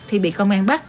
thì bị công an bắt